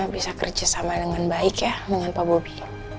bisa kerjasama dengan baik ya dengan pak bobi